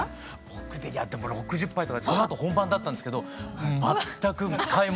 僕ねいやでも６０杯とかでそのあと本番だったんですけど全く使い物にならない。